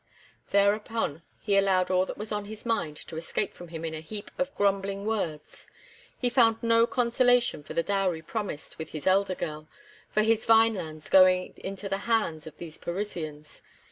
Thereupon, he allowed all that was on his mind to escape from him in a heap of grumbling words. He found no consolation for the dowry promised with his elder girl, for his vinelands going into the hands of these Parisians.